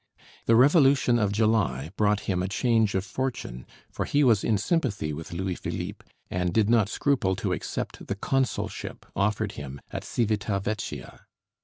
The revolution of July brought him a change of fortune; for he was in sympathy with Louis Philippe, and did not scruple to accept the consulship offered him at Cività Vecchia.